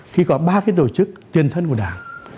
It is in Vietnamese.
khi có ba tổ chức tiên thân của đảng